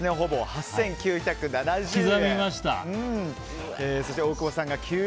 ８９７０円。